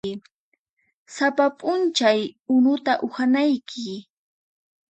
Sapa p'unchay unuta uhanayki.